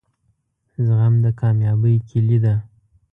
زغم دکامیابۍ کیلي ده